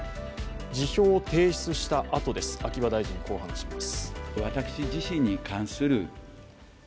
辞表を提出したあとです、秋葉大臣、こう話します。